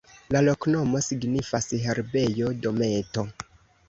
La loknomo signifas: herbejo-dometo.